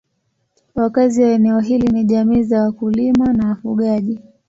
Wakazi wa eneo hili ni jamii za wakulima na wafugaji.